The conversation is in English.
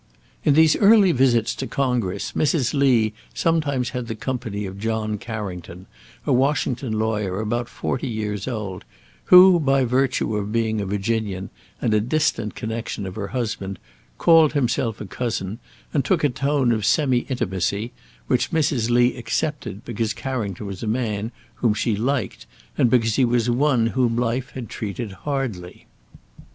In these early visits to Congress, Mrs. Lee sometimes had the company of John Carrington, a Washington lawyer about forty years old, who, by virtue of being a Virginian and a distant connection of her husband, called himself a cousin, and took a tone of semi intimacy, which Mrs. Lee accepted because Carrington was a man whom she liked, and because he was one whom life had treated hardly.